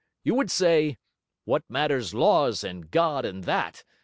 You would say, What matters laws, and God, and that?